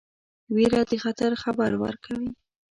ویره د خطر خبر ورکوي.